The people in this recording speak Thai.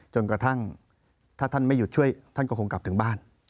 จนกระทั่งถ้าท่านไม่หยุดช่วยท่านก็คงกลับถึงบ้าน